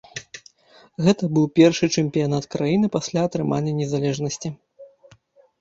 Гэта быў першы чэмпіянат краіны пасля атрымання незалежнасці.